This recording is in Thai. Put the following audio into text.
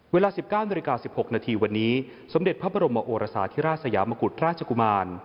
เวลา๑๙๑๖วันนี้สมเด็จพระบรมโมโอราศาสตร์ที่ราชสยามกุฎราชกุมาร